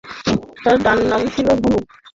তাঁর ডাকনাম ছিল ধনু।